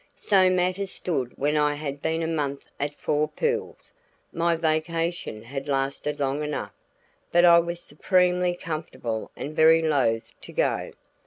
So matters stood when I had been a month at Four Pools. My vacation had lasted long enough, but I was supremely comfortable and very loath to go.